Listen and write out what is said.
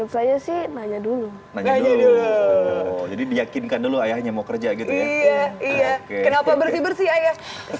saya sih nanya dulu jadi diyakinkan dulu ayahnya mau kerja gitu iya kenapa bersih bersih